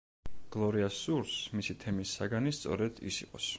გლორიას სურს, მისი თემის საგანი სწორედ ის იყოს.